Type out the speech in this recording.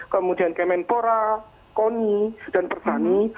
kemudian kemenpora koni dan pertani